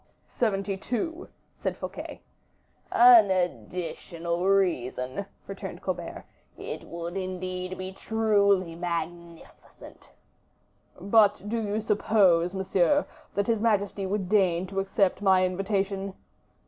"Seventy two," said Fouquet. "An additional reason," returned Colbert; "it would, indeed, be truly magnificent." "But do you suppose, monsieur, that his majesty would deign to accept my invitation?"